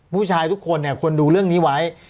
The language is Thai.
ผู้ชายทุกคนเนี่ยควรดูเรื่องนี้ไว้